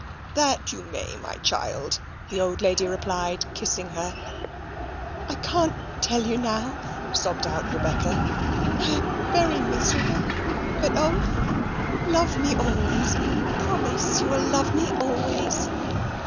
"That you may, my child," the old lady replied, kissing her. "I can't tell you now," sobbed out Rebecca, "I am very miserable. But O! love me always promise you will love me always."